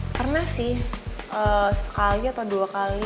pernah sih sekali atau dua kali